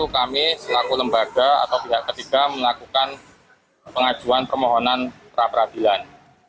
kami selaku lembaga atau pihak ketiga melakukan pengajuan permohonan pra peradilan